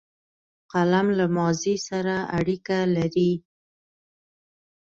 قلم له ماضي سره اړیکه لري